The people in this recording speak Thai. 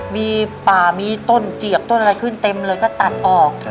มีป่ามีต้นเจียกต้นอะไรขึ้นเต็มเลยก็ตัดออก